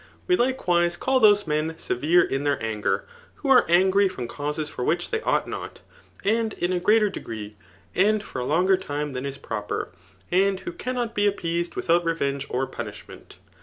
We, likewise^ call those men severe in then: anger, who are angry from causes for which they ought not, and in a greater degree^ and for a Icmger time than is [m>per, and who cannot be appeased without revenge or punishment.